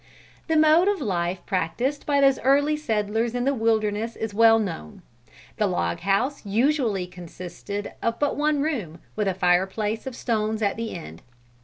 The mode of life practiced by those early settlers in the wilderness is well known. The log house usually consisted of but one room, with a fire place of stones at the end.